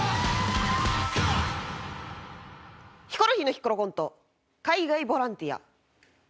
ヒコロヒーのヒコロコント「海外ボランティア」。